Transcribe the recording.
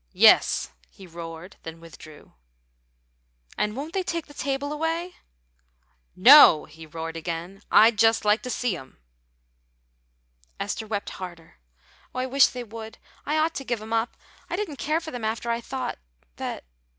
"Yes," he roared, then withdrew. "And won't they take the table away?" "No," he roared again. "I'd just like to see 'em!" Esther wept harder. "Oh, I wish they would; I ought to give 'em up. I didn't care for them after I thought that.